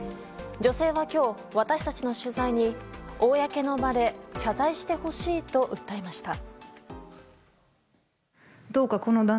女性は今日、私たちの取材に公の場で謝罪してほしいと訴えました。